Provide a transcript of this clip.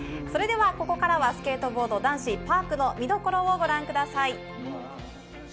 ここからはスケートボード男子パークの見どころをご覧ください。